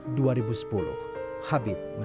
habib menerima penghubungan